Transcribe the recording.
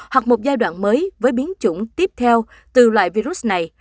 hoặc một giai đoạn mới với biến chủng tiếp theo từ loại virus này